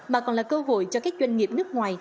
mà còn là cơ hội cho các doanh nghiệp nước ngoài